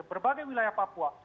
berbagai wilayah papua